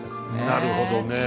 なるほど。